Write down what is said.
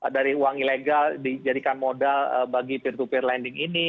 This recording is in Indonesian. dari uang ilegal dijadikan modal bagi peer to peer lending ini